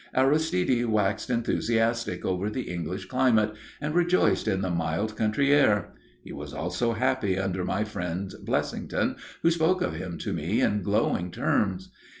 Aristide waxed enthusiastic over the English climate and rejoiced in the mild country air. He was also happy under my friend Blessington, who spoke of him to me in glowing terms.